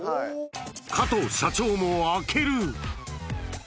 加藤社長も開ける。